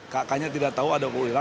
kakaknya tidak tahu ada polisi